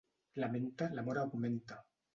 La menta, l'amor augmenta.